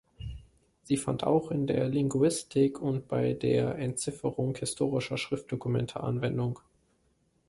Sie fand auch in der Linguistik und bei der Entzifferung historischer Schriftdokumente Anwendung.